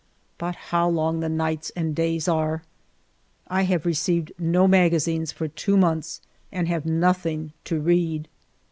But how long the nights and days are ! I have received no magazines for two months, and have nothing to read.